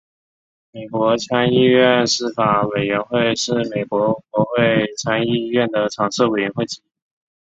美国参议院司法委员会是美国国会参议院的常设委员会之一。